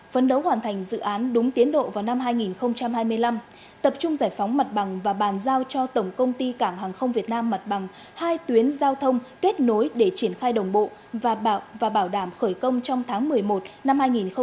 phấn đấu hoàn thành dự án đúng tiến độ vào năm hai nghìn hai mươi năm tập trung giải phóng mặt bằng và bàn giao cho tổng công ty cảng hàng không việt nam mặt bằng hai tuyến giao thông kết nối để triển khai đồng bộ và bảo đảm khởi công trong tháng một mươi một năm hai nghìn hai mươi